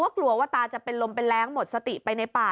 กลัวว่าตาจะเป็นลมเป็นแรงหมดสติไปในป่า